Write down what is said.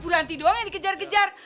berhenti doang yang dikejar kejar